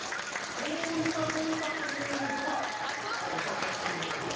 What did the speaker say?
本物かどうかという意味では私は確信持っています。